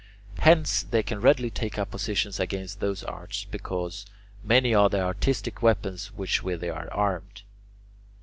Hence they can readily take up positions against those arts because many are the artistic weapons with which they are armed.